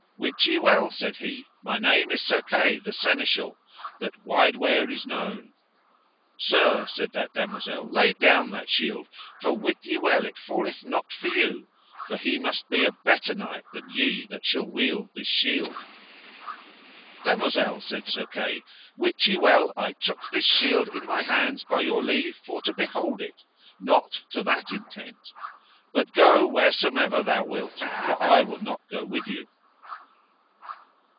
Wit ye well, said he, my name is Sir Kay, the Seneschal, that wide where is known. Sir, said that damosel, lay down that shield, for wit ye well it falleth not for you, for he must be a better knight than ye that shall wield this shield. Damosel, said Sir Kay, wit ye well I took this shield in my hands by your leave for to behold it, not to that intent; but go wheresomever thou wilt, for I will not go with you.